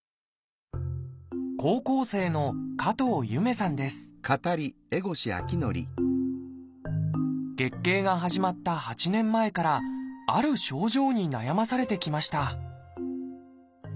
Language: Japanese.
高校生の月経が始まった８年前からある症状に悩まされてきましたぐらいの認識でした。